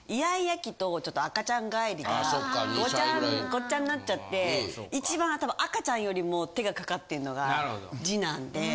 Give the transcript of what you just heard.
期とちょっと赤ちゃん返りがごっちゃになっちゃって一番たぶん赤ちゃんよりも手がかかってるのが次男で。